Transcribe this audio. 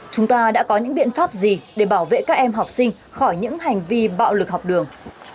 chúng ta đã có những biện pháp gì để bảo vệ các em học sinh khỏi những hành vi bạo lực học đường